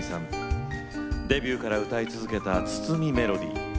デビューから歌い続けた筒美メロディー。